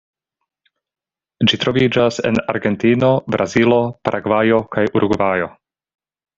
Ĝi troviĝas en Argentino, Brazilo, Paragvajo kaj Urugvajo.